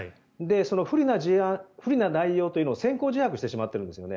その不利な事案、内容というのを先行自白しているんです。